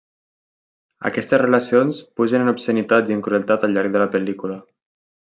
Aquestes relacions pugen en obscenitat i en crueltat al llarg de la pel·lícula.